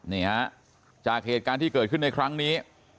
นี่ฮะจากเหตุการณ์ที่เกิดขึ้นในครั้งนี้